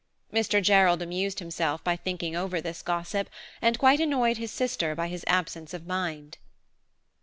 Mr. Gerald amused himself by thinking over this gossip, and quite annoyed his sister by his absence of mind.